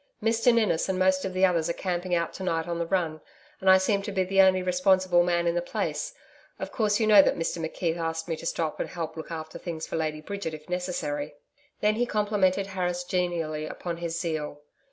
'Mr Ninnis and most of the others are camping out to night on the run, and I seem to be the only responsible man in the place of course you know that Mr McKeith asked me to stop and help look after things for Lady Bridget if necessary.' Then he complimented Harris genially upon his zeal.